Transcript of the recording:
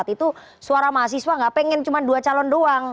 itu suara mahasiswa nggak pengen cuma dua calon doang